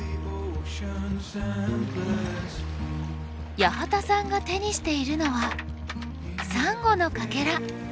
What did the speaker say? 八幡さんが手にしているのはサンゴのかけら。